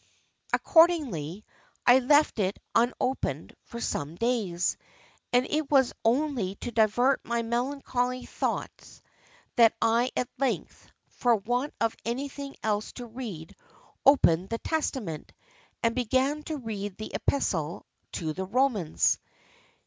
Accordingly, I left it unopened for some days, and it was only to divert my melancholy thoughts that I at length, for want of anything else to read, opened the Testament, and began to read the Epistle to the Romans.